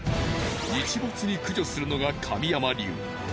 日没に駆除するのが神山流。